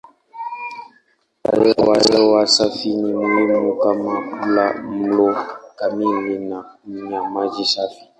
Kupata hewa safi ni muhimu kama kula mlo kamili na kunywa maji safi.